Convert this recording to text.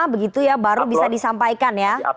begitu ya baru bisa disampaikan ya